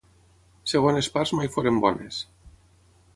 Segones parts mai foren bones.